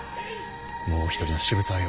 もう一人の渋沢よ。